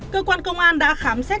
cơ quan công an đã khám xét